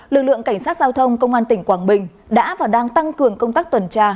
lực lượng cảnh sát giao thông công an tỉnh quảng bình đã và đang tăng cường công tác tuần tra